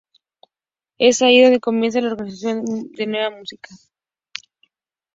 Es allí adonde comienza a gestarse la nueva música.